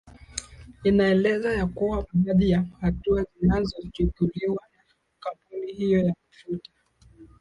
inaeleza ya kuwa baadhi ya hatua zilizochukuliwa na kampuni hiyo ya mafuta